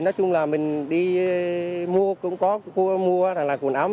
nói chung là mình đi mua cũng có mua quần áo